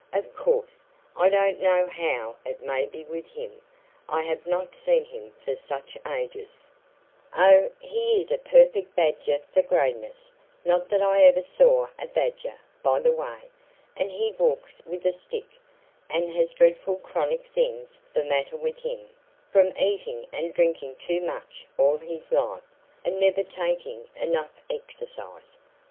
Of course, I don't know how it may be with him; I have not seen him for such ages " "Oh, he is a perfect badger for greyness not that I ever saw a badger, by the way. And he walks with a stick, and has dreadful chronic things the matter with him, from eating and drinking too much all his life, and never taking enough exercise.